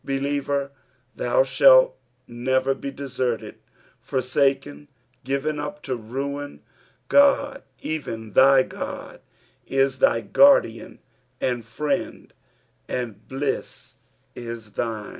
Believer, thou shnlt neTer be deserted, forsaken, ^Iven up to rain. Qod, even thy God, is thy guardian and friend, tud